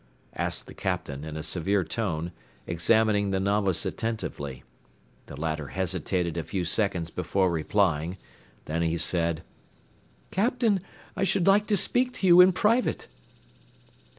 asked the Captain, in a severe tone, examining the novice attentively. The latter hesitated a few seconds before replying, then he said, "Captain, I should like to speak to you in private."